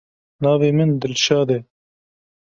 Navê min Dilşad e.